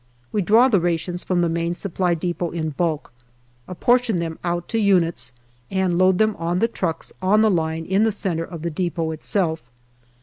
We draw the rations from the Main Supply depot in bulk, apportion them out to units, and load them on the trucks on the line in the centre of the depot itself.